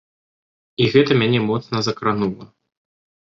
І гэта мяне моцна закранула.